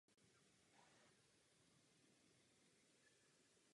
Seznam písní nemusí být pro všechny koncerty stejný.